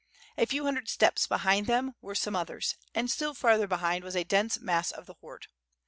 A few hundred steps behind them were some others, and still farther behind was a dense mass of the horde.